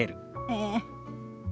ええ。